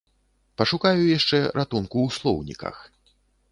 Пашукаю яшчэ ратунку ў слоўніках.